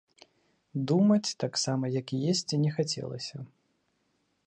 Думаць, таксама як і есці, не хацелася.